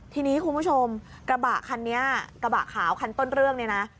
ทีนี้คุณผู้ชมกระบะขาวคันต้นเรื่องนี่นะ